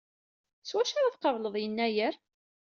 S wacu ara tqableḍ Yennayer?